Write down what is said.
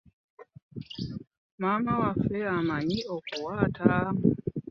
Maama waffe amanyi okuwaata.